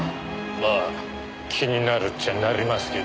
まあ気になるっちゃなりますけど。